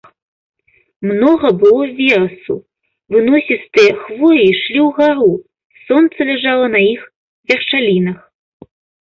Многа было верасу, выносістыя хвоі ішлі ўгару, сонца ляжала на іх вяршалінах.